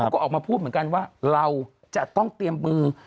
ก็ออกมาพูดเหมือนกันว่าเราจะต้องเตรียมมือ